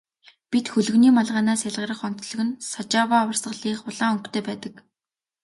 Бусад хөлгөний малгайнаас ялгарах онцлог нь Сажава урсгалынх улаан өнгөтэй байдаг.